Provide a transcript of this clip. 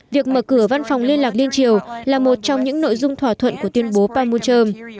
việc mở cửa văn phòng liên lạc liên triều là một trong những nội dung thỏa thuận của tuyên bố panmuncheom